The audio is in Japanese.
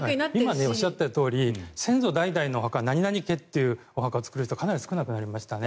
今おっしゃったとおり先祖代々のお墓何々家というお墓を作る人かなり少なくなりましたね。